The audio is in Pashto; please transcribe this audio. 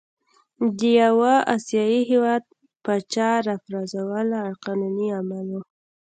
د یوه آسیايي هیواد پاچا را پرزول قانوني عمل وو.